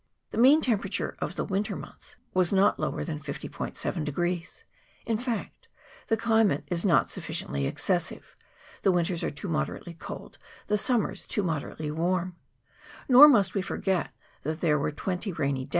The mean temperature of the winter months was not lower than 50 7 : in fact, the cli mate is not sufficiently excessive ; the winters are too moderately cold, the summers too moderately warm ; nor must we forget that there were twenty rainy CHAP.